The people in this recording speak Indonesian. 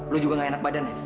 lu juga gak enak badan ya